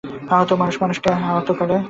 আহত মানুষ মানুষকে আহত করে।